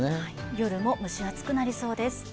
夜も蒸し暑くなりそうです。